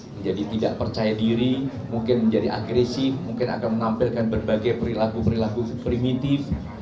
menjadi tidak percaya diri mungkin menjadi agresif mungkin akan menampilkan berbagai perilaku perilaku primitif